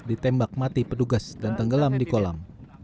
ditembak mati petugas dan tenggelam di kolam